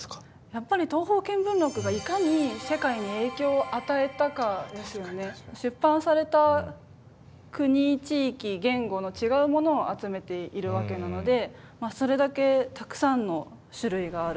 やっぱり「東方見聞録」が出版された国地域言語の違うものを集めているわけなのでそれだけたくさんの種類がある。